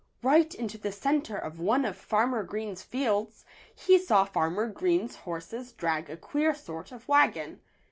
Right into the center of one of Farmer Green's fields he saw Farmer Green's horses drag a queer sort of wagon.